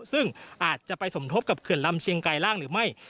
ซึ่งอาจจะไปสมทบกับเขื่อนลำเชียงไกรล่างหรือไม่